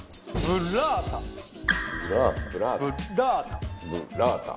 ブッラータ。